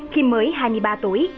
khi mới hai mươi ba tuổi